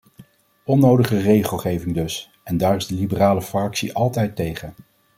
Onnodige regelgeving dus en daar is de liberale fractie altijd tegen.